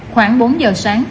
khoảng bốn giờ sáng